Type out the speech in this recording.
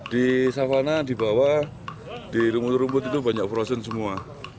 di savana di bawah di rumput rumput itu banyak frozen semua